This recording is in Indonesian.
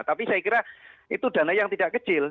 tapi saya kira itu dana yang tidak kecil